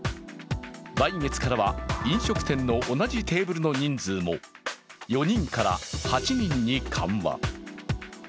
来月からは飲食店の同じテーブルの人数も４人から８人に緩和。